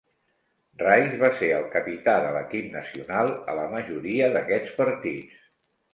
Rice va ser el capità de l'equip nacional a la majoria d'aquests partits.